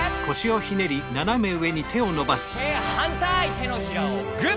てのひらをグッ！